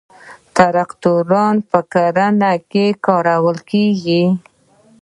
تراکتورونه په کرنه کې کارول کیږي.